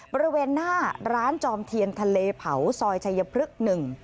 บริเวณหน้าร้านจอมเทียนทะเลเผาซอยชายพฤกษ์๑